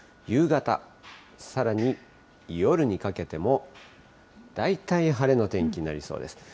夕方、さらに夜にかけても、大体晴れの天気になりそうです。